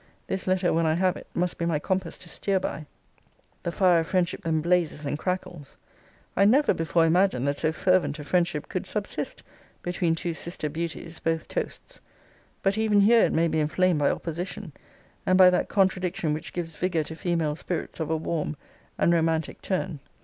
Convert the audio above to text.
This letter, when I have it, must be my compass to steer by. The fire of friendship then blazes and crackles. I never before imagined that so fervent a friendship could subsist between two sister beauties, both toasts. But even here it may be inflamed by opposition, and by that contradiction which gives vigour to female spirits of a warm and romantic turn.